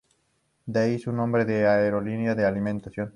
De ahí su nombre de "aerolíneas de alimentación".